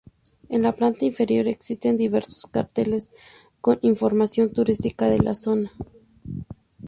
En la planta inferior existen diversos carteles con información turística de la zona.